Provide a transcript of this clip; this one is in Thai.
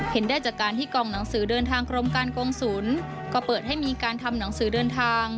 ได้จากการที่กองหนังสือเดินทางกรมการกงศูนย์ก็เปิดให้มีการทำหนังสือเดินทาง